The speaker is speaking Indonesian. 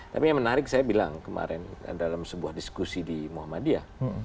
tapi yang menarik saya bilang kemarin dalam sebuah diskusi di muhammadiyah